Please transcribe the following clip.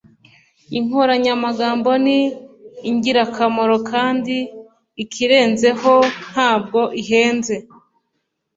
inkoranyamagambo ni ingirakamaro kandi, ikirenzeho, ntabwo ihenze